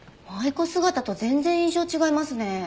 舞子姿と全然印象違いますね。